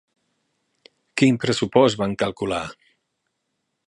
Quin pressupost van calcular?